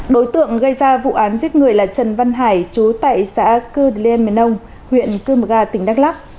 đối tượng gây ra vụ án giết người là trần văn hải chú tại xã cư đề lêm mần nông huyện cư mờ ga tỉnh đắk lắk